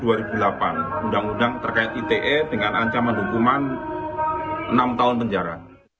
undang undang terkait ite dengan ancaman hukuman enam tahun penjara